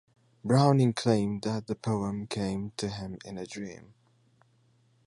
Browning claimed that the poem came to him in a dream.